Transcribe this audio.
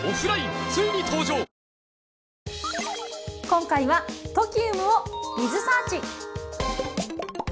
今回はＴＯＫＩＵＭを。